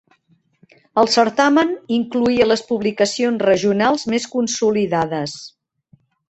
El certamen incloïa les publicacions regionals més consolidades.